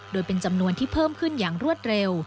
โดยเป็นจำนวนที่เพิ่มขึ้นอย่างรวดเร็ว